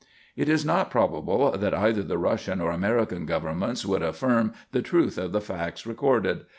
It is not probable that either the Russian or American governments would affirm the truth of the facts recorded.